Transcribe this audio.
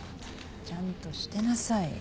ちゃんとしてなさい。